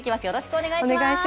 お願いします。